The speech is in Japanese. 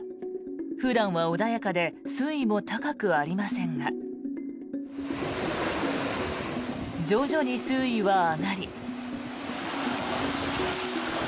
普段は穏やかで水位も高くありませんが徐々に水位は上がり。